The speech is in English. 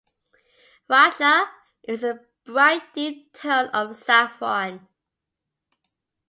Rajah is a bright deep tone of saffron.